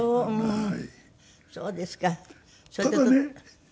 はい。